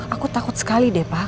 aku takut sekali deh pak